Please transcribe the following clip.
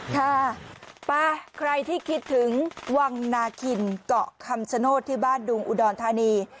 ค่ะไปใครที่คิดถึงวังนาคินเกาะคำชโนธที่บ้านดุงอุดรธานี